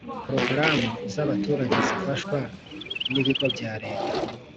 Porogaramu z abaturage zifashwa n ibigo bya Leta